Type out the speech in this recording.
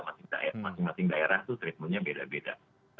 masing masing daerah itu treatmentnya beda beda